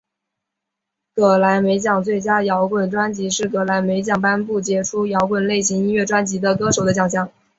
葛莱美奖最佳摇滚专辑是葛莱美奖颁予杰出摇滚类型音乐专辑的歌手的奖项。